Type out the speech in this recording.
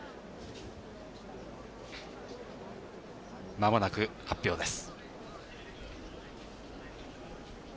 間もなく発表です。